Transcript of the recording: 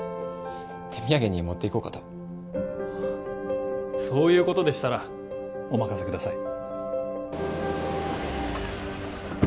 手土産に持って行こうかとそういうことでしたらお任せください